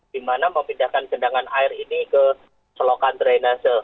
dimana memindahkan gendangan air ini ke selokan drainase